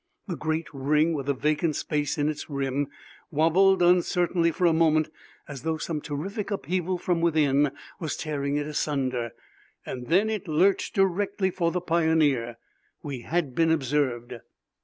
The great ring with the vacant space in its rim wabbled uncertainly for a moment as though some terrific upheaval from within was tearing it asunder. Then it lurched directly for the Pioneer. We had been observed!